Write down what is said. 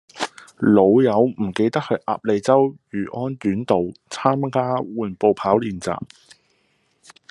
老友唔記得去鴨脷洲漁安苑道參加緩步跑練習